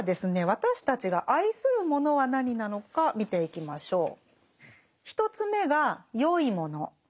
私たちが愛するものは何なのか見ていきましょう。